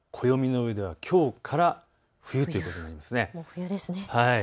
暦の上ではきょうから冬ということになりますね。